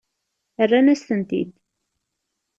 Rran-as-tent-id.